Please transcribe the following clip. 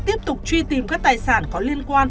tiếp tục truy tìm các tài sản có liên quan